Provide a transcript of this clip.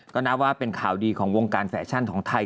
ก็น่าว่าเป็นข่าวดีของวงการแฟชั่นของไทยกันเลยทีเดียว